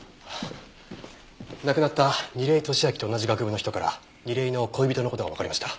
亡くなった楡井敏秋と同じ学部の人から楡井の恋人の事がわかりました。